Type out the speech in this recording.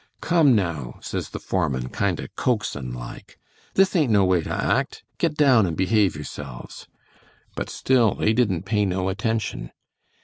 'Come, now,' says the foreman, kind o' coaxin' like, 'this ain't no way to act. Get down and behave yourselves.' But still they didn't pay no attention.